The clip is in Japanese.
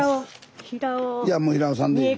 平尾いやもう平尾さんでいい。